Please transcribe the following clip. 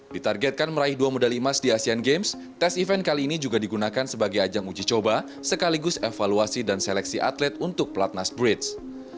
ditargetkan meraih dua medali emas di asean games tes event kali ini juga digunakan sebagai ajang uji coba sekaligus evaluasi dan seleksi atlet untuk pelatnas bridge